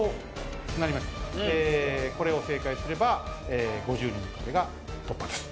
これを正解すれば５０人の壁が突破です。